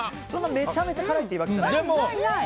めちゃめちゃ辛いっていうわけじゃないですよね。